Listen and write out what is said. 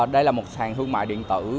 đây là một hàng thương mại điện tử